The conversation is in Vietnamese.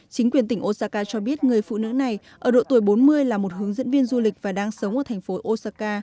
chính quyền tỉnh osaka cho biết người phụ nữ này ở độ tuổi bốn mươi là một hướng dẫn viên du lịch và đang sống ở thành phố osaka